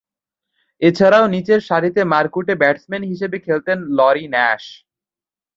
এছাড়াও নিচেরসারিতে মারকুটে ব্যাটসম্যান হিসেবে খেলতেন লরি ন্যাশ।